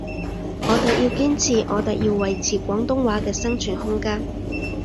我哋要堅持，我哋要維持廣東話嘅生存空間